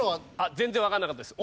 全然わかんなかったです。